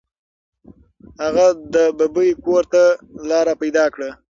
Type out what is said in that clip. هغه د ببۍ کور ته لاره پیدا کړه.